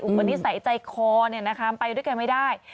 อุ้งวันนี้ใส่ใจคอไปด้วยกันไม่ได้